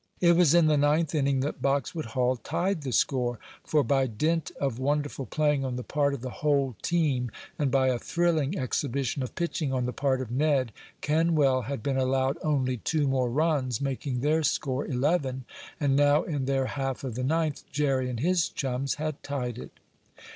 It was in the ninth inning that Boxwood Hall tied the score. For by dint of wonderful playing on the part of the whole team, and by a thrilling exhibition of pitching on the part of Ned, Kenwell had been allowed only two more runs, making their score eleven, and now, in their half of the ninth, Jerry and his chums had tied it.